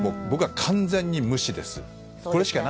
僕は完全に無視です。